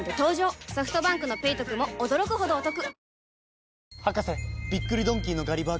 ソフトバンクの「ペイトク」も驚くほどおトク